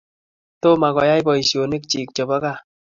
tomo koyai boisonik chin jebo kaa.